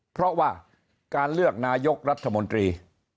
เพราะว่าการเลือกนายกรัฐมนตรี